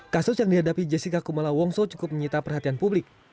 kasus yang dihadapi jessica kumala wongso cukup menyita perhatian publik